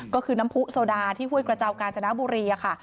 ก็คือน้ำผู้โซดาที่ห้วยกระเจ้ากาญจนบุรีค่ะ